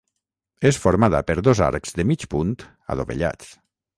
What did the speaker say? És formada per dos arcs de mig punt, adovellats.